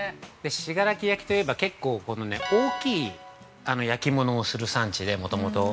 ◆信楽焼といえば、結構大きい焼き物をする産地でもともと。